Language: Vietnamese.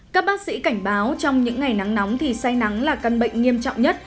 các bác sĩ cảnh báo trong những ngày nắng nóng thì say nắng là căn bệnh nghiêm trọng nhất